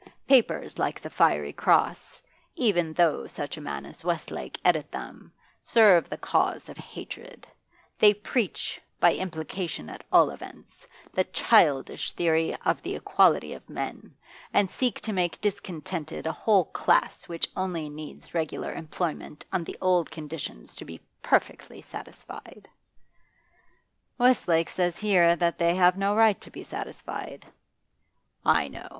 Papers like the "Fiery Cross," even though such a man as Westlake edit them, serve the cause of hatred; they preach, by implication at all events, the childish theory of the equality of men, and seek to make discontented a whole class which only needs regular employment on the old conditions to be perfectly satisfied.' 'Westlake says here that they have no right to be satisfied.' 'I know.